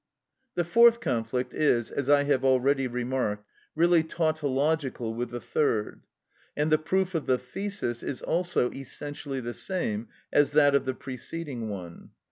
The fourth conflict is, as I have already remarked, really tautological with the third; and the proof of the thesis is also essentially the same as that of the preceding one.